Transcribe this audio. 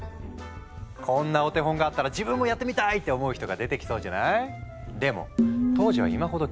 こんなお手本があったら自分もやってみたい！って思う人が出てきそうじゃない？